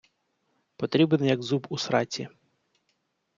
Потрібен як зуб у сраці